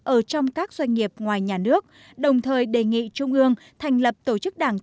ở trong các doanh nghiệp ngoài nhà nước đồng thời đề nghị trung ương thành lập tổ chức đảng